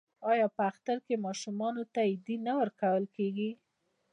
آیا په اختر کې ماشومانو ته ایډي نه ورکول کیږي؟